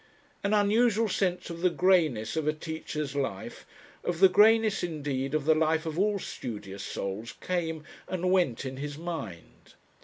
An unusual sense of the greyness of a teacher's life, of the greyness indeed of the life of all studious souls came, and went in his mind.